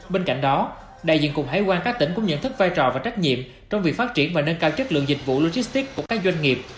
bên cạnh đó đại diện cục hải quan các tỉnh cũng nhận thức vai trò và trách nhiệm trong việc phát triển và nâng cao chất lượng dịch vụ logistics của các doanh nghiệp